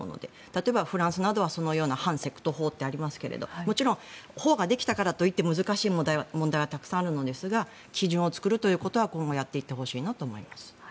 例えばフランスなどはそのような反セクト法ってありますがもちろん法ができたからといって難しい問題はたくさんあるのですが基準を作ることは今後やっていってほしいと思います。